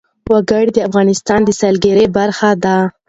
وګړي د افغانستان د سیلګرۍ برخه ده.